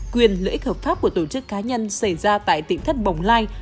quyền lợi ích hợp pháp của tổ chức cá nhân xảy ra tại tỉnh thất bồng lai